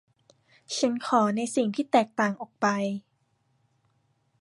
ฉันขอในสิ่งที่แตกต่างออกไป